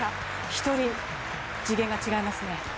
一人、次元が違いますね。